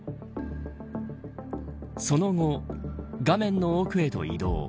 その後、画面の奥へと移動。